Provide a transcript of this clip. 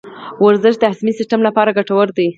ورزش د هاضمي سیستم لپاره ګټور دی.